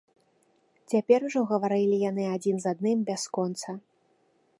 Цяпер ужо гаварылі яны адзін з адным бясконца.